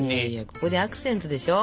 ここでアクセントでしょ？